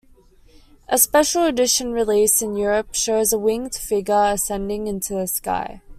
A special edition release in Europe shows a winged figure ascending into the sky.